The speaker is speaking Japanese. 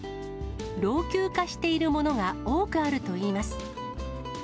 老朽化しているものが多くあるといいます。